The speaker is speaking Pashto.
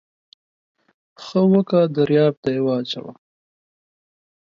ښه وکه و درياب ته يې واچوه.